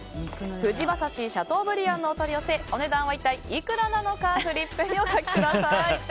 ふじ馬刺しシャトーブリアンのお取り寄せお値段は一体いくらなのかフリップにお書きください。